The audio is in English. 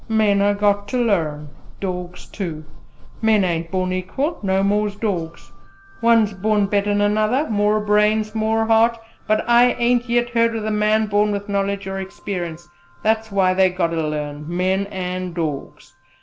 Men ha' got ter larn: dawgs too! Men ain't born equal: no more's dawgs! One's born better 'n another more brains, more heart; but I ain't yet heard o' the man born with knowledge or experience; that's what they got ter learn men an' dawgs!